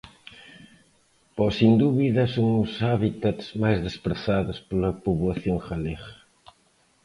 Pero sen dúbida son os hábitats máis desprezados pola poboación galega.